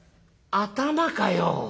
「頭かよ！